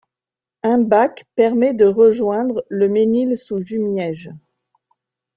Un Bac permet de rejoindre le Mesnil-sous-Jumièges.